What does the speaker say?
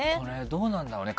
どうなんだろうね。